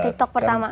tiktok pertama aku